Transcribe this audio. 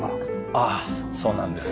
ああそうなんです。